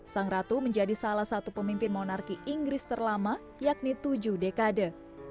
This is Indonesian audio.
sang ratu menjadi salah satu pemimpin monarki inggris terlama yakni tujuh dekade